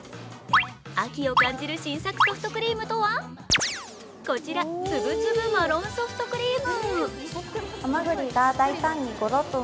秋を感じる新作ソフトクリームとはこちら、つぶつぶマロンソフトクリーム。